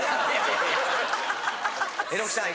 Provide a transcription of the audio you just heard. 榎木さん